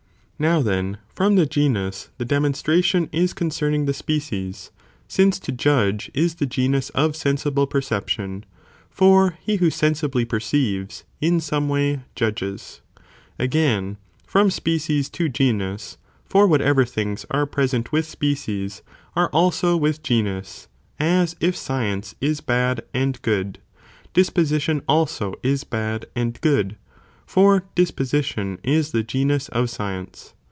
Now, then, from the genus emonstra tion of species the demonstration is concerning the species, since from genus. to judge is the genus of sensible perception, for he who sensibly perceives, in some way judges. 2. Vice versa. Acain, from species to genus, for whatever things are present with species are also with genus, as if science is bad and good, disposition also is bad and good, for disposition is the genus of science.